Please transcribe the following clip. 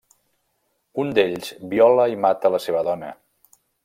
Un d'ells viola i mata la seva dona.